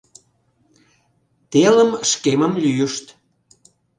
Телым шкемым лӱйышт.